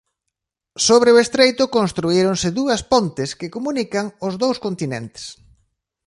Sobre o estreito construíronse dúas pontes que comunican os dous continentes.